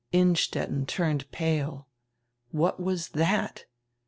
Innstetten turned pale. What was that?